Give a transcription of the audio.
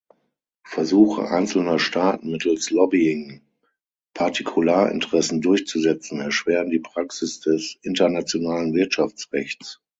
Versuche einzelner Staaten, mittels Lobbying Partikularinteressen durchzusetzen, erschweren die Praxis des Internationalen Wirtschaftsrechts.